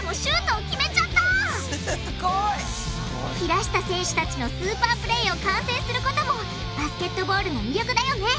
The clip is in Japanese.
平下選手たちのスーパープレーを観戦することもバスケットボールの魅力だよね。